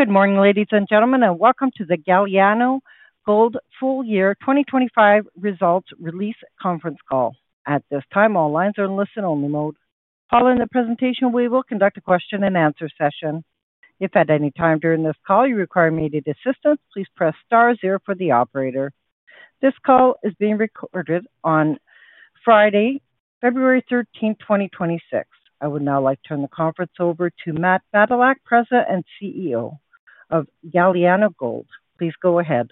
Good morning, ladies and gentlemen, and welcome to the Galiano Gold Full Year 2025 Results Release conference call. At this time, all lines are in listen-only mode. Following the presentation, we will conduct a question and answer session. If at any time during this call you require immediate assistance, please press star 0 for the operator. This call is being recorded on Friday, February 13th, 2026. I would now like to turn the conference over to Matt Badylak, President and CEO of Galiano Gold. Please go ahead.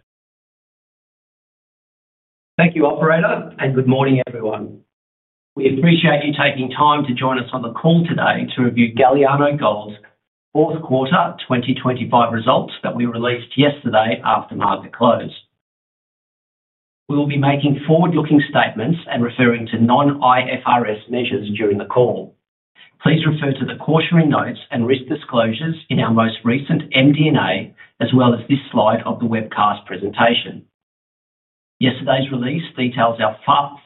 Thank you, operator, and good morning, everyone. We appreciate you taking time to join us on the call today to review Galiano Gold's fourth quarter 2025 results that we released yesterday after market close. We will be making forward-looking statements and referring to non-IFRS measures during the call. Please refer to the cautionary notes and risk disclosures in our most recent MD&A, as well as this slide of the webcast presentation. Yesterday's release details our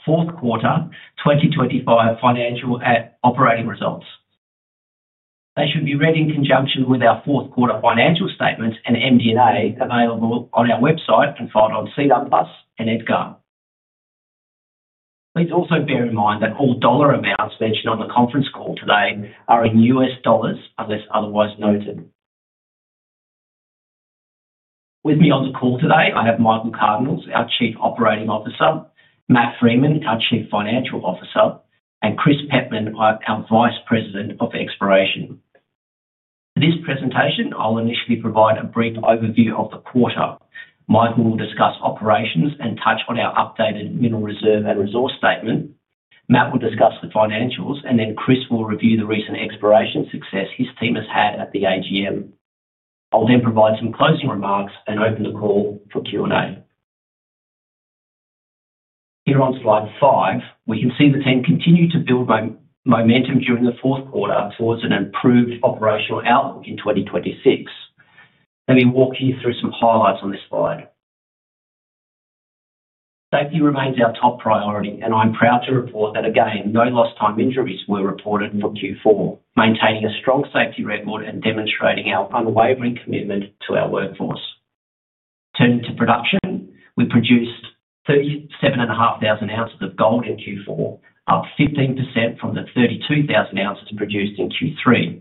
fourth quarter 2025 financial and operating results. They should be read in conjunction with our fourth quarter financial statements and MD&A available on our website and filed on SEDAR+ and EDGAR. Please also bear in mind that all dollar amounts mentioned on the conference call today are in U.S. dollars, unless otherwise noted. With me on the call today, I have Michael Cardinaels, our Chief Operating Officer, Matt Freeman, our Chief Financial Officer, and Chris Pettman, our Vice President of Exploration. For this presentation, I'll initially provide a brief overview of the quarter. Michael will discuss operations and touch on our updated mineral reserve and resource statement. Matt will discuss the financials, and then Chris will review the recent exploration success his team has had at the AGM. I'll then provide some closing remarks and open the call for Q&A. Here on slide five, we can see the team continued to build momentum during the fourth quarter towards an improved operational outlook in 2026. Let me walk you through some highlights on this slide. Safety remains our top priority, and I'm proud to report that, again, no lost time injuries were reported for Q4, maintaining a strong safety record and demonstrating our unwavering commitment to our workforce. Turning to production, we produced 37,500 ounces of gold in Q4, up 15% from the 32,000 ounces produced in Q3.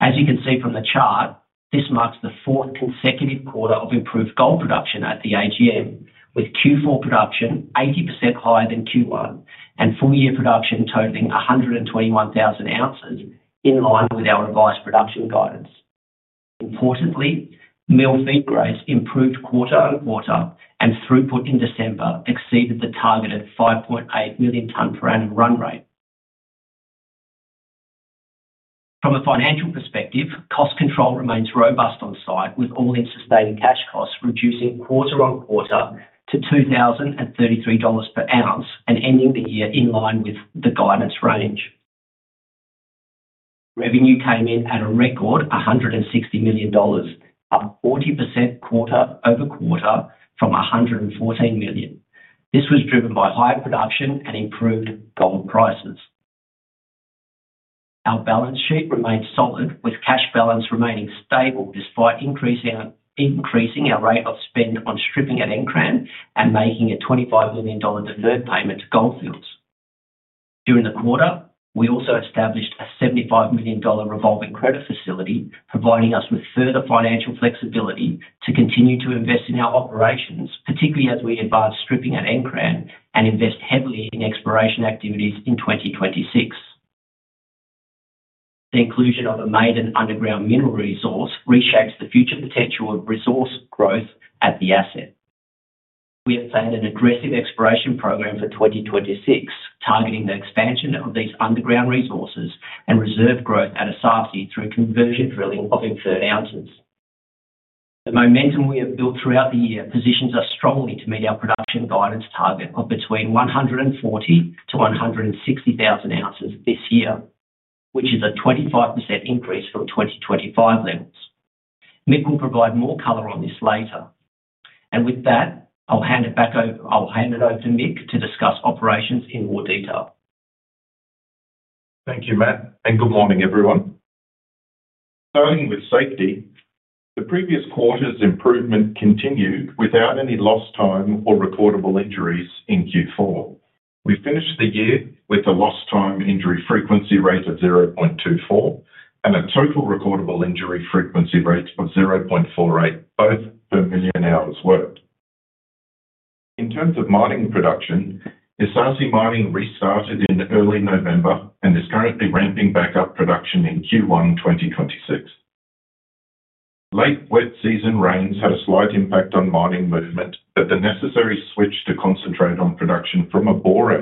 As you can see from the chart, this marks the fourth consecutive quarter of improved gold production at the AGM, with Q4 production 80% higher than Q1 and full-year production totaling 121,000 ounces, in line with our revised production guidance. Importantly, mill feed grades improved quarter-over-quarter, and throughput in December exceeded the targeted 5.8 million ton per annum run rate. From a financial perspective, cost control remains robust on-site, with all-in sustaining cash costs reducing quarter-over-quarter to $2,033 per ounce and ending the year in line with the guidance range. Revenue came in at a record $160 million, up 40% quarter-over-quarter from $114 million. This was driven by higher production and improved gold prices. Our balance sheet remains solid, with cash balance remaining stable despite increasing our rate of spend on stripping at Nkran and making a $25 million deferred payment to Gold Fields. During the quarter, we also established a $75 million revolving credit facility, providing us with further financial flexibility to continue to invest in our operations, particularly as we advance stripping at Nkran and invest heavily in exploration activities in 2026. The inclusion of a maiden underground mineral resource reshapes the future potential of resource growth at the asset. We have planned an aggressive exploration program for 2026, targeting the expansion of these underground resources and reserve growth at Esaase through conversion drilling of inferred ounces. The momentum we have built throughout the year positions us strongly to meet our production guidance target of between 140,000-160,000 ounces this year, which is a 25% increase from 2025 levels. Mick will provide more color on this later. With that, I'll hand it over to Mick to discuss operations in more detail. Thank you, Matt, and good morning, everyone. Starting with safety, the previous quarter's improvement continued without any lost time or recordable injuries in Q4. We finished the year with a lost time injury frequency rate of 0.24 and a total recordable injury frequency rate of 0.48, both per million hours worked. In terms of mining production, Esaase mining restarted in early November and is currently ramping back up production in Q1 2026. Late wet season rains had a slight impact on mining movement, but the necessary switch to concentrate on production from Abore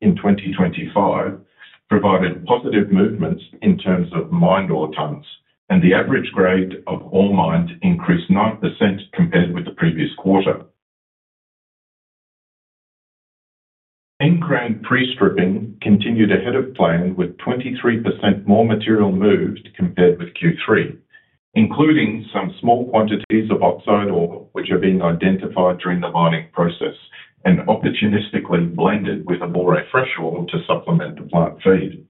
in 2025 provided positive movements in terms of mined ore tons, and the average grade of ore mined increased 9% compared with the previous quarter. Nkran pre-stripping continued ahead of plan, with 23% more material moved compared with Q3, including some small quantities of oxide ore, which are being identified during the mining process and opportunistically blended with Abore fresh ore to supplement the plant feed.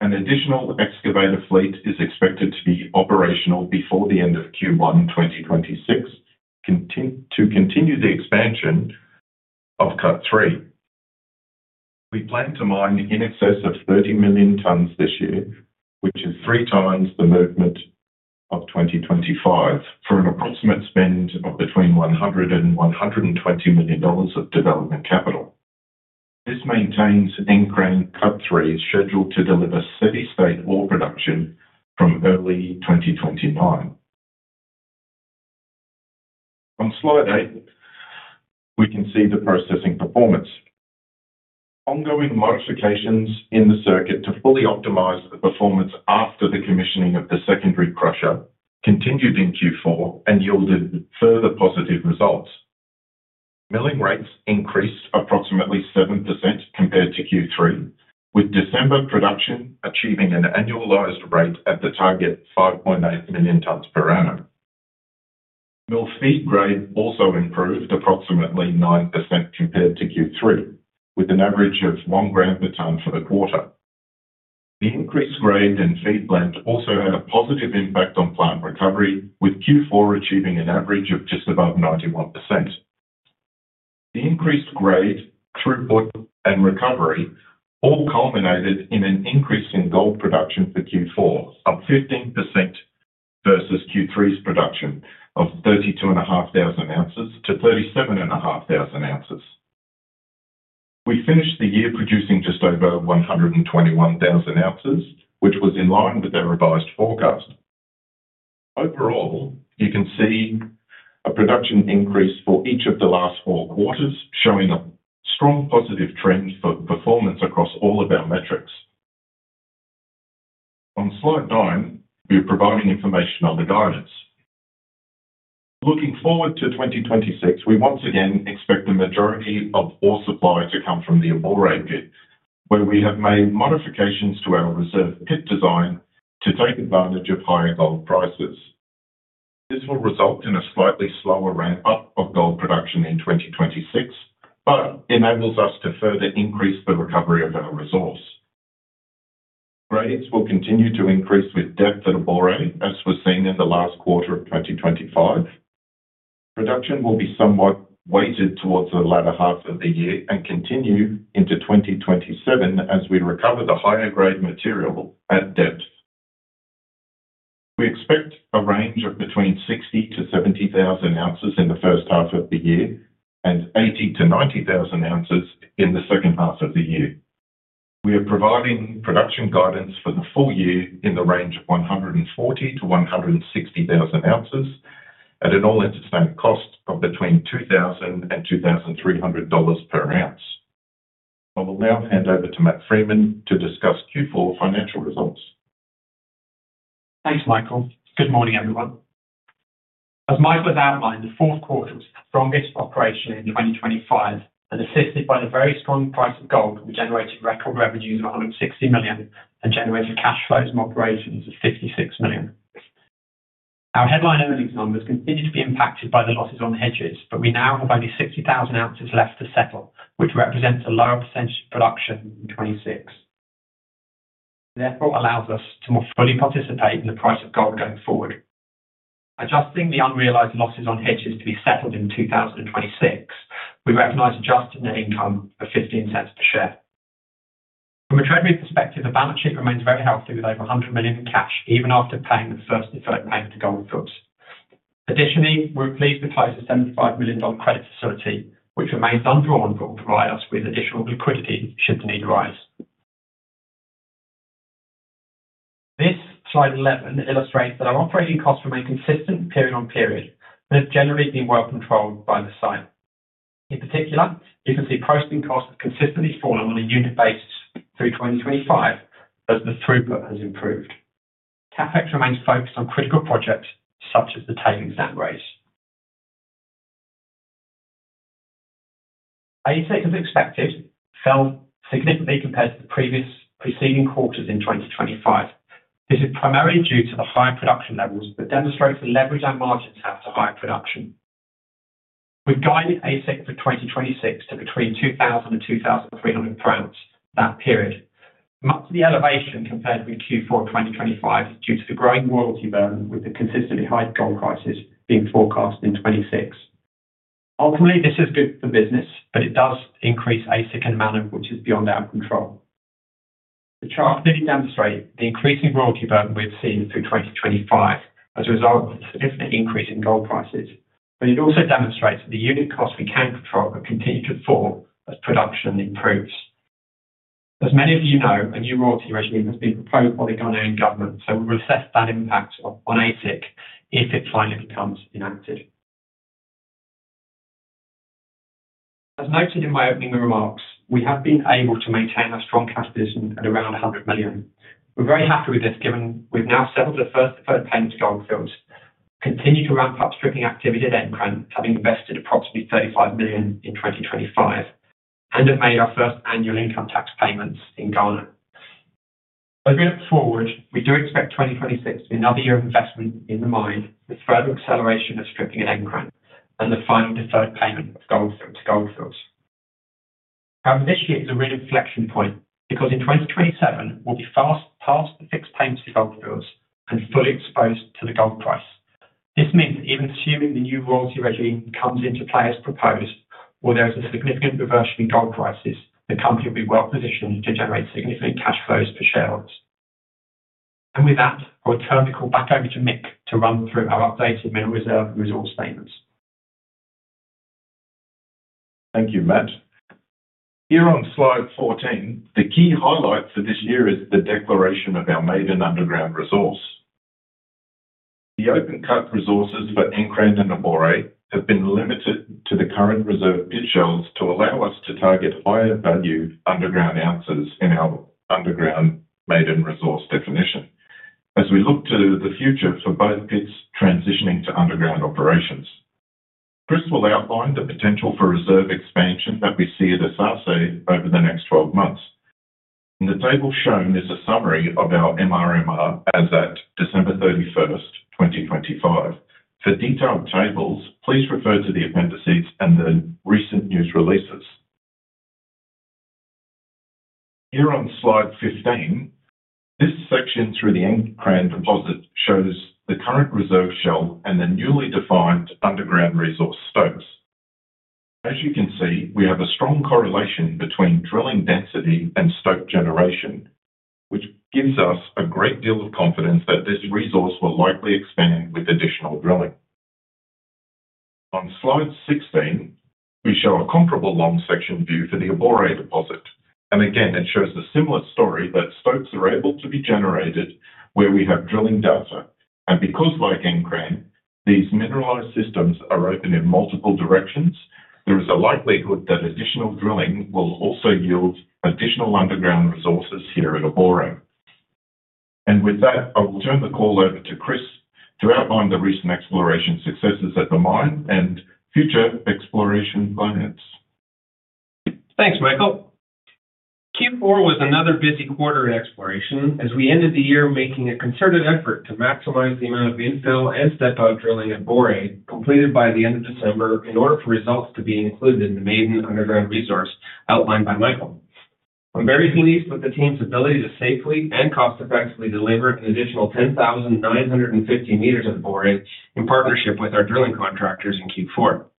An additional excavator fleet is expected to be operational before the end of Q1 2026, to continue the expansion of Cut 3. We plan to mine in excess of 30 million tons this year, which is three times the movement of 2025, for an approximate spend of between $100 million and $120 million of development capital. This maintains Nkran Cut Three is scheduled to deliver steady state ore production from early 2029. On slide eight, we can see the processing performance. Ongoing modifications in the circuit to fully optimize the performance after the commissioning of the secondary crusher continued in Q4 and yielded further positive results. Milling rates increased approximately 7% compared to Q3, with December production achieving an annualized rate at the target 5.8 million tons per annum. Mill feed grade also improved approximately 9% compared to Q3, with an average of one gram per ton for the quarter. The increased grade and feed blend also had a positive impact on plant recovery, with Q4 achieving an average of just above 91%. The increased grade, throughput, and recovery all culminated in an increase in gold production for Q4, up 15% versus Q3's production of 32,500 ounces-37,500 ounces. We finished the year producing just over 121,000 ounces, which was in line with our revised forecast. Overall, you can see a production increase for each of the last four quarters, showing a strong positive trend for performance across all of our metrics. On slide nine, we are providing information on the guidance. Looking forward to 2026, we once again expect the majority of ore supply to come from the Abore pit, where we have made modifications to our reserve pit design to take advantage of higher gold prices. This will result in a slightly slower ramp-up of gold production in 2026, but enables us to further increase the recovery of our resource. Grades will continue to increase with depth at Abore, as was seen in the last quarter of 2025. Production will be somewhat weighted towards the latter half of the year and continue into 2027 as we recover the higher-grade material at depth. We expect a range of between 60,000 ounces-70,000 ounces in the first half of the year and 80,000 ounces-90,000 ounces in the second half of the year. We are providing production guidance for the full year in the range of 140,000 ounces-160,000 ounces, at an All-in Sustaining Cost of $2,000-$2,300 per ounce. I'll now hand over to Matt Freeman to discuss Q4 financial results. Thanks, Michael. Good morning, everyone. As Michael has outlined, the fourth quarter was the strongest operation in 2025, and assisted by the very strong price of gold, we generated record revenues of $160 million and generated cash flows from operations of $56 million. Our headline earnings numbers continue to be impacted by the losses on the hedges, but we now have only 60,000 ounces left to settle, which represents a lower percentage of production in 2026, therefore allows us to more fully participate in the price of gold going forward. Adjusting the unrealized losses on hedges to be settled in 2026, we recognize adjusted net income of $0.15 per share. From a treasury perspective, the balance sheet remains very healthy, with over $100 million in cash, even after paying the first deferred payment to Gold Fields. Additionally, we're pleased with close to $75 million credit facility, which remains undrawn but will provide us with additional liquidity should the need arise. This slide 11 illustrates that our operating costs remain consistent period-on-period, and have generally been well controlled by the site. In particular, you can see processing costs have consistently fallen on a unit basis through 2025 as the throughput has improved. CapEx remains focused on critical projects such as the tailings dam raise. AISC, as expected, fell significantly compared to the previous preceding quarters in 2025. This is primarily due to the higher production levels, but demonstrates the leverage our margins have to higher production. We've guided AISC for 2026 to between $2,000-$2,300 per ounce that period. Much of the elevation compared with Q4 2025 is due to the growing royalty burden, with the consistently high gold prices being forecast in 2026. Ultimately, this is good for business, but it does increase AISC and amount of which is beyond our control. The chart clearly demonstrate the increasing royalty burden we've seen through 2025 as a result of the significant increase in gold prices, but it also demonstrates that the unit costs we can control have continued to fall as production improves. As many of you know, a new royalty regime has been proposed by the Ghanaian government, so we'll assess that impact on AISC if it finally becomes enacted. As noted in my opening remarks, we have been able to maintain our strong cash position at around $100 million. We're very happy with this, given we've now settled the first deferred payment to Gold Fields, continue to ramp up stripping activity at Nkran, having invested approximately $35 million in 2025, and have made our first annual income tax payments in Ghana.... As we look forward, we do expect 2026 to be another year of investment in the mine, with further acceleration of stripping at Nkran and the final deferred payment to Gold Fields. Now, this year is a real inflection point, because in 2027, we'll be far past the fixed payments to Gold Fields and fully exposed to the gold price. This means that even assuming the new royalty regime comes into play as proposed, or there is a significant reversion in gold prices, the company will be well positioned to generate significant cash flows for shareholders. With that, I'll turn the call back over to Mick to run through our updated mineral reserve resource statements. Thank you, Matt. Here on slide 14, the key highlight for this year is the declaration of our maiden underground resource. The open cut resources for Nkran and Abore have been limited to the current reserve pit shells to allow us to target higher value underground ounces in our underground maiden resource definition, as we look to the future for both pits transitioning to underground operations. Chris will outline the potential for reserve expansion that we see at Esaase over the next 12 months. In the table shown is a summary of our MRMR as at December 31st, 2025. For detailed tables, please refer to the appendices and the recent news releases. Here on slide 15, this section through the Nkran deposit shows the current reserve shell and the newly defined underground resource stocks. As you can see, we have a strong correlation between drilling density and stock generation, which gives us a great deal of confidence that this resource will likely expand with additional drilling. On slide 16, we show a comparable long section view for the Abore deposit, and again, it shows a similar story that stocks are able to be generated where we have drilling data. And because like Nkran, these mineralized systems are open in multiple directions, there is a likelihood that additional drilling will also yield additional underground resources here at Abore. With that, I will turn the call over to Chris to outline the recent exploration successes at the mine and future exploration plans. Thanks, Michael. Q4 was another busy quarter in exploration as we ended the year making a concerted effort to maximize the amount of infill and step-out drilling at Abore, completed by the end of December, in order for results to be included in the maiden underground resource outlined by Michael. I'm very pleased with the team's ability to safely and cost-effectively deliver an additional 10,950 m at Abore in partnership with our drilling contractors in Q4.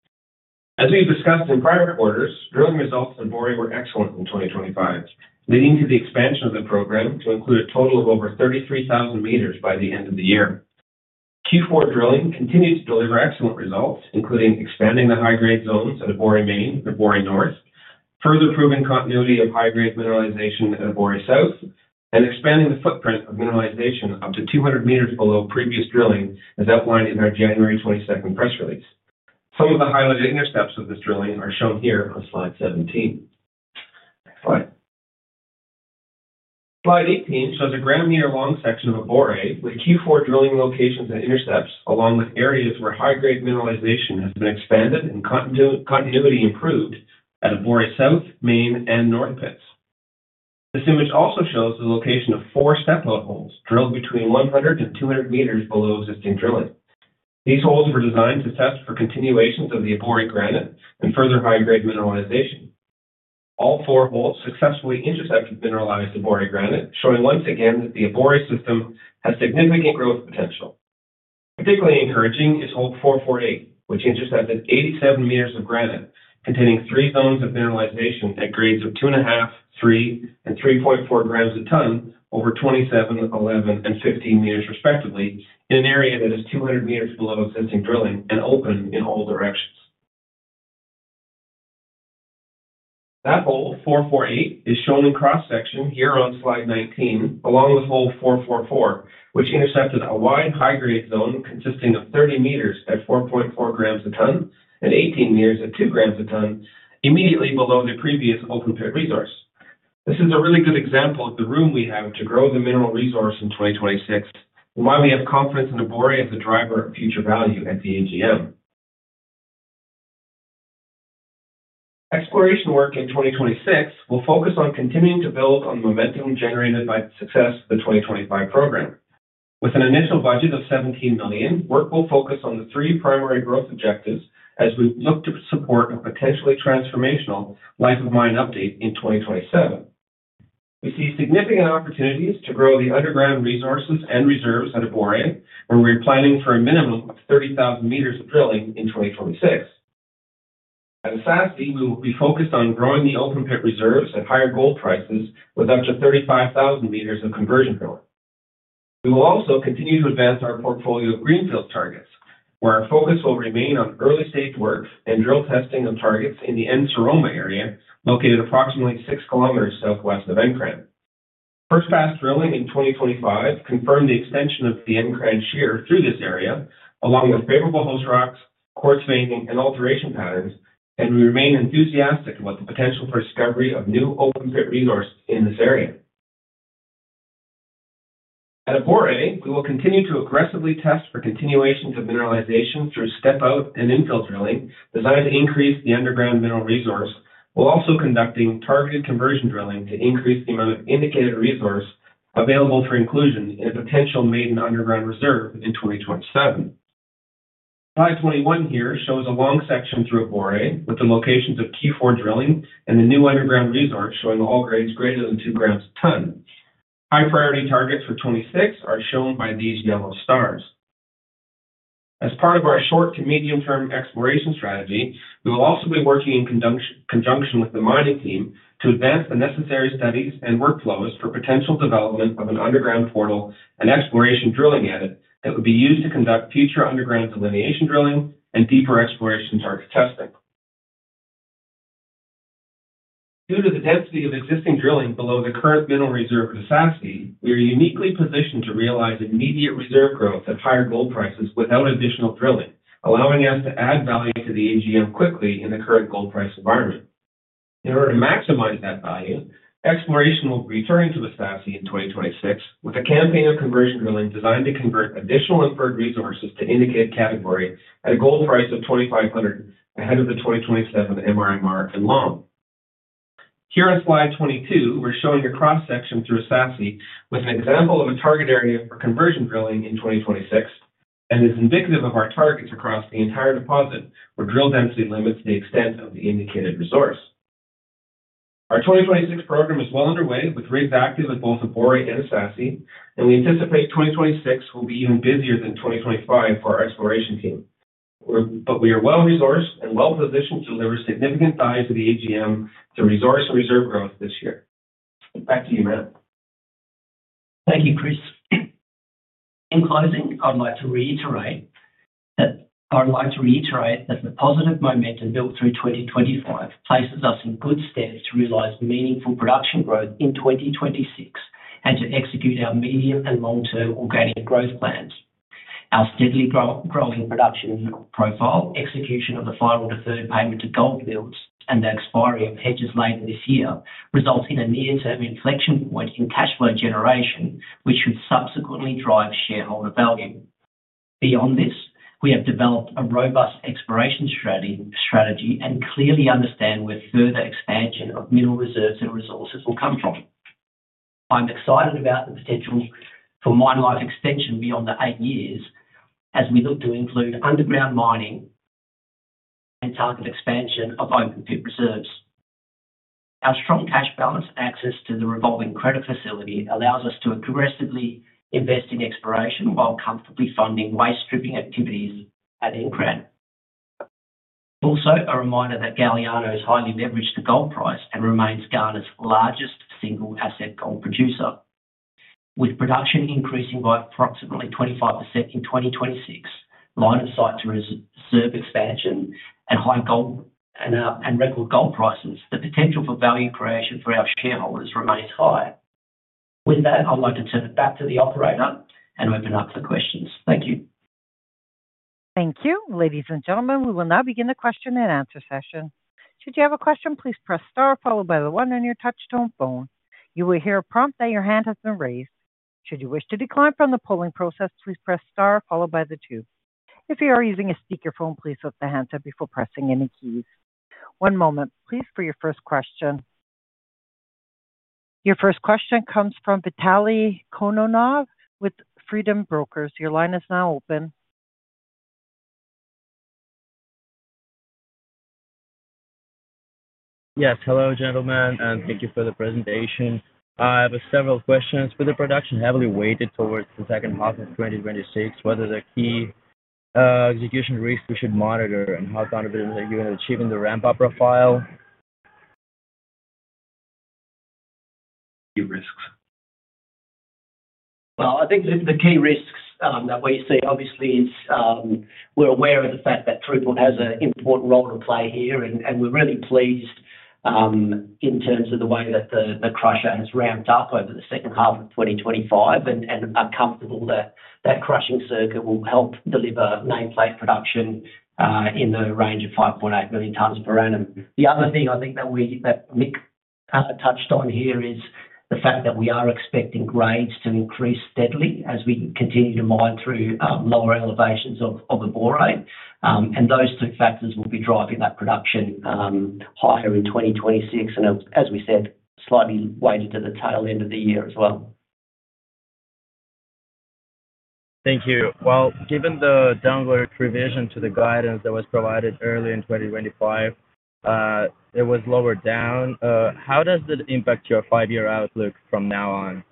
As we've discussed in prior quarters, drilling results at Abore were excellent in 2025, leading to the expansion of the program to include a total of over 33,000 m by the end of the year. Q4 drilling continued to deliver excellent results, including expanding the high-grade zones at Abore Main and Abore North, further proving continuity of high-grade mineralization at Abore South, and expanding the footprint of mineralization up to 200 m below previous drilling, as outlined in our January 22nd press release. Some of the highlighted intercepts of this drilling are shown here on slide 17. Next slide. Slide 18 shows a gram-metre long section of Abore, with Q4 drilling locations and intercepts, along with areas where high-grade mineralization has been expanded and continuity improved at Abore South, Main, and North pits. This image also shows the location of four step-out holes drilled between 100 m and 200 m below existing drilling. These holes were designed to test for continuations of the Abore granite and further high-grade mineralization. All 4 holes successfully intercepted mineralized Abore granite, showing once again that the Abore system has significant growth potential. Particularly encouraging is hole 448, which intercepted 87 m of granite, containing three zones of mineralization at grades of 2.5, 3, and 3.4 g a ton over 27 m, 11 m, and 15 m, respectively, in an area that is 200 m below existing drilling and open in all directions. That hole, 448, is shown in cross-section here on slide 19, along with hole 444, which intercepted a wide, high-grade zone consisting of 30 m at 4.4 g a ton and 18 m at 2 g a ton, immediately below the previous open pit resource. This is a really good example of the room we have to grow the mineral resource in 2026, and why we have confidence in Abore as a driver of future value at the AGM. Exploration work in 2026 will focus on continuing to build on the momentum generated by the success of the 2025 program. With an initial budget of $17 million, work will focus on the three primary growth objectives as we look to support a potentially transformational life of mine update in 2027. We see significant opportunities to grow the underground resources and reserves at Abore, where we're planning for a minimum of 30,000 m of drilling in 2026. At Esaase, we will be focused on growing the open pit reserves at higher gold prices with up to 35,000 meters of conversion drilling. We will also continue to advance our portfolio of greenfield targets, where our focus will remain on early-stage work and drill testing of targets in the Nsoroma area, located approximately 6 kilometers Southwest of Nkran. First pass drilling in 2025 confirmed the extension of the Nkran shear through this area, along with favorable host rocks, quartz veining, and alteration patterns, and we remain enthusiastic about the potential for discovery of new open-pit resource in this area.... At Abore, we will continue to aggressively test for continuation to mineralization through step-out and infill drilling, designed to increase the underground mineral resource, while also conducting targeted conversion drilling to increase the amount of indicated resource available for inclusion in a potential maiden underground reserve in 2027. Slide 21 here shows a long section through Abore, with the locations of Q4 drilling and the new underground resource, showing all grades greater than 2 g a ton. High-priority targets for 2026 are shown by these yellow stars. As part of our short- to medium-term exploration strategy, we will also be working in conjunction with the mining team to advance the necessary studies and workflows for potential development of an underground portal and exploration drilling at it, that would be used to conduct future underground delineation drilling and deeper exploration target testing. Due to the density of existing drilling below the current mineral reserve at Esaase, we are uniquely positioned to realize immediate reserve growth at higher gold prices without additional drilling, allowing us to add value to the AGM quickly in the current gold price environment. In order to maximize that value, exploration will return to Esaase in 2026, with a campaign of conversion drilling designed to convert additional inferred resources to indicated category at a gold price of $2,500 ahead of the 2027 MRMR and LOM. Here on slide 22, we're showing a cross-section through Esaase, with an example of a target area for conversion drilling in 2026, and is indicative of our targets across the entire deposit, where drill density limits the extent of the indicated resource. Our 2026 program is well underway, with rigs active at both Abore and Esaase, and we anticipate 2026 will be even busier than 2025 for our exploration team. But we are well-resourced and well-positioned to deliver significant value to the AGM to resource and reserve growth this year. Back to you, Matt. Thank you, Chris. In closing, I'd like to reiterate that the positive momentum built through 2025 places us in good stead to realize meaningful production growth in 2026, and to execute our medium- and long-term organic growth plans. Our steadily growing production profile, execution of the final deferred payment to Gold Fields, and the expiry of hedges later this year, result in a near-term inflection point in cash flow generation, which should subsequently drive shareholder value. Beyond this, we have developed a robust exploration strategy, and clearly understand where further expansion of mineral reserves and resources will come from. I'm excited about the potential for mine life extension beyond the eight years as we look to include underground mining and target expansion of open pit reserves. Our strong cash balance access to the revolving credit facility allows us to aggressively invest in exploration while comfortably funding waste stripping activities at Nkran. Also, a reminder that Galiano is highly leveraged to gold price and remains Ghana's largest single asset gold producer. With production increasing by approximately 25% in 2026, line of sight to reserve expansion and high gold and record gold prices, the potential for value creation for our shareholders remains high. With that, I'd like to turn it back to the operator and open up for questions. Thank you. Thank you. Ladies and gentlemen, we will now begin the question and answer session. Should you have a question, please press star followed by the one on your touch-tone phone. You will hear a prompt that your hand has been raised. Should you wish to decline from the polling process, please press star followed by the two. If you are using a speakerphone, please lift the handset before pressing any keys. One moment, please, for your first question. Your first question comes from Vitaly Kononov with Freedom Brokers. Your line is now open. Yes, hello, gentlemen, and thank you for the presentation. I have several questions. With the production heavily weighted towards the second half of 2026, what are the key execution risks we should monitor, and how confident are you in achieving the ramp-up profile? Key risks. Well, I think the key risks that we see, obviously, is we're aware of the fact that throughput has an important role to play here, and we're really pleased in terms of the way that the crusher has ramped up over the second half of 2025, and are comfortable that that crushing circuit will help deliver nameplate production in the range of 5.8 million tons per annum. The other thing I think that we, that Nick touched on here is the fact that we are expecting grades to increase steadily as we continue to mine through lower elevations of Abore. Those two factors will be driving that production higher in 2026, and as we said, slightly weighted to the tail end of the year as well. Thank you. Well, given the downward revision to the guidance that was provided early in 2025, it was lowered down. How does it impact your five-year outlook from now on?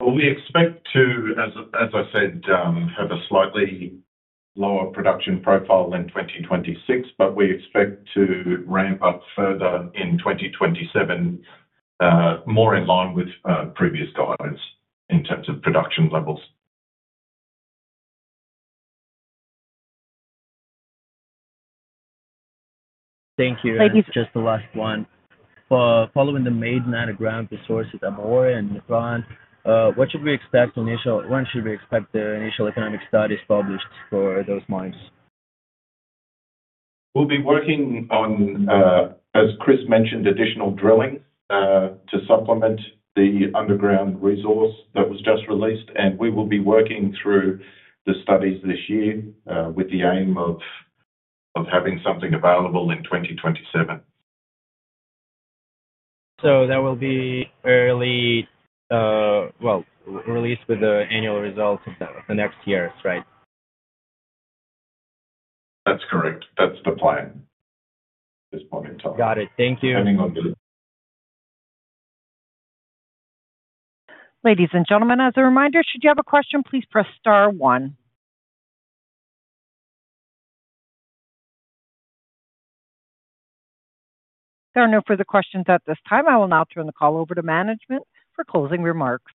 Well, we expect to, as I said, have a slightly lower production profile in 2026, but we expect to ramp up further in 2027, more in line with previous guidance in terms of production levels. Thank you. Thank you- Just the last one. Following the maiden underground resource at Abore and Nkran, when should we expect the initial economic studies published for those mines? We'll be working on, as Chris mentioned, additional drilling to supplement the underground resource that was just released, and we will be working through the studies this year, with the aim of having something available in 2027. That will be early, released with the annual results of the next year, right? That's correct. That's the plan at this point in time. Got it. Thank you. Depending on the- Ladies and gentlemen, as a reminder, should you have a question, please press star one. There are no further questions at this time. I will now turn the call over to management for closing remarks.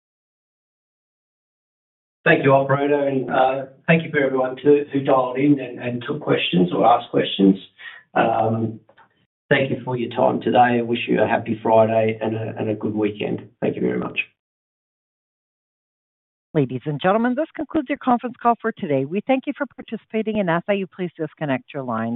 Thank you, operator, and thank you for everyone too, who dialed in and took questions or asked questions. Thank you for your time today. I wish you a happy Friday and a good weekend. Thank you very much. Ladies and gentlemen, this concludes your conference call for today. We thank you for participating and ask that you please disconnect your lines.